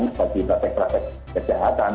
bagi praktik praktik kejahatan